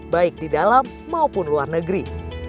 baik di dalam maupun luar negeri